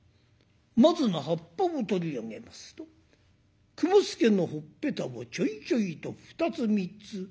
松の葉っぱを取り上げますと雲助のほっぺたをちょいちょいと２つ３つ。